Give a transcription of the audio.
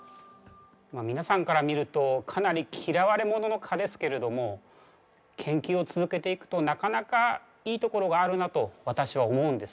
皆さんから見るとかなり嫌われ者の蚊ですけれども研究を続けていくとなかなかいいところがあるなと私は思うんです。